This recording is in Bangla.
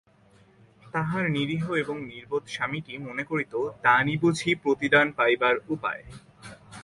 তাহার নিরীহ এবং নির্বোধ স্বামীটি মনে করিত, দানই বুঝি প্রতিদান পাইবার উপায়।